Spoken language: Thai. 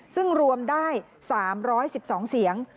ซึ่งรวมได้๓๑๒เสียง